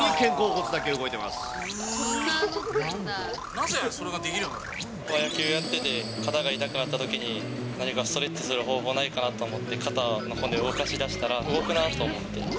なぜ、それができるようにな野球やってて肩が痛くなったときに、何かストレッチする方法ないかなと思って、肩の骨動かしだしたら動くなと思って。